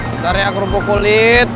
bentar ya akropokulit